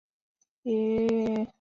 渝州是隋朝时设置的州。